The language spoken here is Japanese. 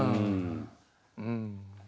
うん。